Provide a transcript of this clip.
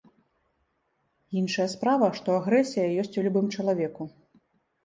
Іншая справа, што агрэсія ёсць у любым чалавеку.